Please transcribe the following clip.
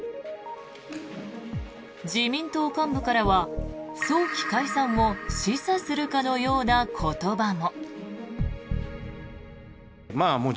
自民党幹部からは、早期解散を示唆するかのような言葉も。